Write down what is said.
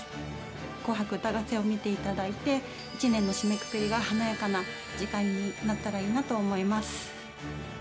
「紅白歌合戦」を見ていただいて１年の締めくくりが華やかな時間になったらいいなと思います。